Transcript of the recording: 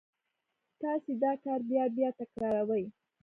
تاسې دا کار بیا بیا تکراروئ